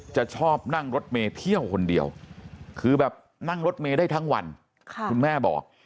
จะชอบนั่งรถเมย์เที่ยวคนเดียวคือแบบนั่งรถเมย์ได้ทั้งวันคุณแม่บอก